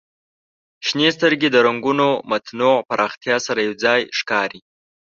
شنې سترګې د رنګونو متنوع پراختیا سره یو ځای ښکاري.